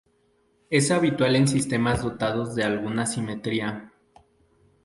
Es habitual en sistemas dotados de alguna simetría.